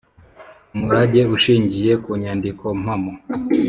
umurage ushingiye ku nyandiko mpamo